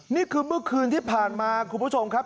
นี่คือเมื่อคืนที่ผ่านมาคุณผู้ชมครับ